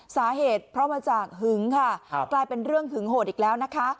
สาเหตุเพราะมาจากหึงค่ะกลายเป็นเรื่องหึงโหดอีกแล้วนะคะ